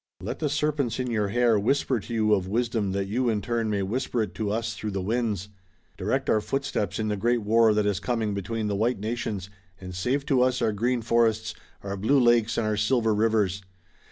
Let the serpents in your hair whisper to you of wisdom that you in turn may whisper it to us through the winds! Direct our footsteps in the great war that is coming between the white nations and save to us our green forests, our blue lakes and our silver rivers!